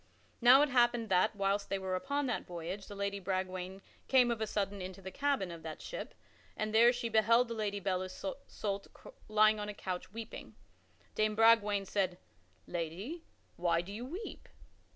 Now it happened that, whilst they were upon that voyage, the Lady Bragwaine came of a sudden into the cabin of that ship and there she beheld the Lady Belle Isoult lying upon a couch weeping. Dame Bragwaine said, "Lady, why do you weep?"